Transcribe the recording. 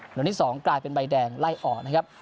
วันที่๒กลายเป็นใบแดงไล่ออกนะครับ